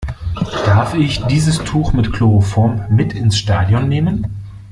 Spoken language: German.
Darf ich dieses Tuch mit Chloroform mit ins Stadion nehmen?